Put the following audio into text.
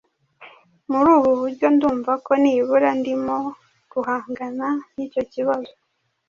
Muri ubu buryo, ndumva ko nibura ndimo guhangana n’icyo kibazo.